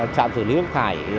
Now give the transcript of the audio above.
trạm xử lý nước thải